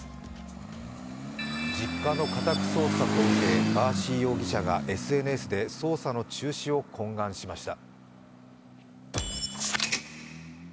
実家の家宅捜索を受けガーシー容疑者がＳＮＳで捜査の中止を懇願しました。